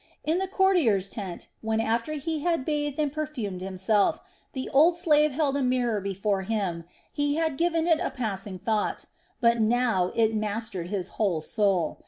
In the courtier's tent when, after he had bathed and perfumed himself, the old slave held a mirror before him, he had given it a passing thought; but now it mastered his whole soul.